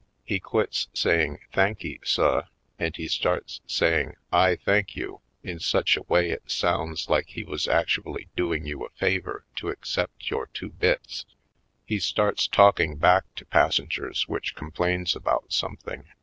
He quits saying "Thanky, suhl' and he starts saying ''"/ thank you," in such a way it sounds like he was actually doing you a favor to accept your two bits. He starts talking back to passengers which com plains about something.